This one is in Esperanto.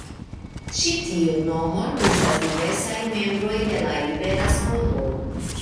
Ĉi tiun nomon uzas diversaj membroj de la Ibera Skolo.